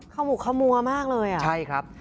ขมุกขมัวมากเลยอ่ะใช่ครับ